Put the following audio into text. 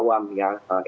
jadi jangan yang awam ya